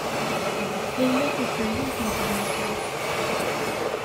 Layla tuker yiwet n tbanka.